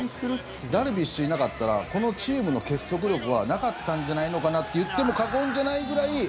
ダルビッシュいなかったらこのチームの結束力はなかったんじゃないのかなって言っても過言じゃないくらい